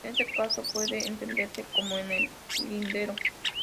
En este caso, puede entenderse como "En el lindero".